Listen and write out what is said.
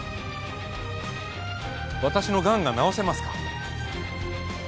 私のがんが治せますか？